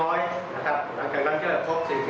ว่าเขาได้ทำจริงนะครับมี๖มีเหตุ